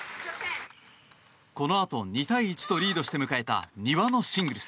このあと、２対１とリードして迎えた丹羽のシングルス。